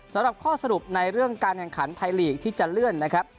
สำหรับข้อสรุปในเรื่องการแข่งขันไทยลีกที่จะเลื่อนนะครับ